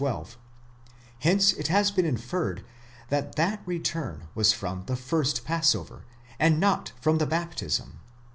12), hence it has been inferred that that return was from the first passover, and not from the baptism